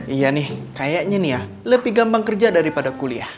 iya nih kayaknya nih ya lebih gampang kerja daripada kuliah